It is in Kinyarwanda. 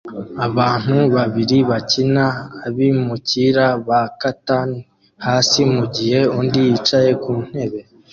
Abantu babiri bakina Abimukira ba Catan hasi mugihe undi yicaye ku ntebe